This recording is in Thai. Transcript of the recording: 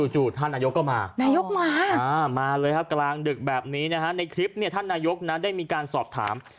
จุดท่านนายกก็มามาเลยครับกลางดึกแบบนี้ในคลิปท่านนายกได้มีการสอบถาม